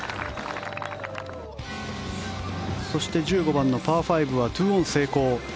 そして１５番のパー５は２オン成功。